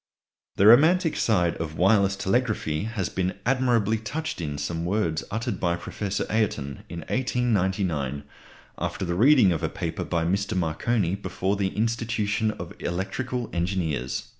The romantic side of wireless telegraphy has been admirably touched in some words uttered by Professor Ayrton in 1899, after the reading of a paper by Mr. Marconi before the Institution of Electrical Engineers.